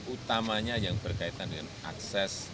utamanya yang berkaitan dengan akses